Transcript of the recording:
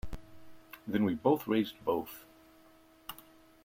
Then we both raised both.